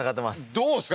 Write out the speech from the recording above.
どうですか？